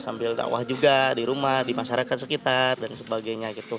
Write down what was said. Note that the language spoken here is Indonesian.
sambil dakwah juga di rumah di masyarakat sekitar dan sebagainya gitu